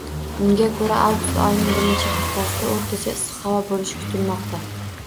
Unga ko‘ra, avgust oyining birinchi haftasida o‘rtacha issiq havo bo‘lishi kutilmoqda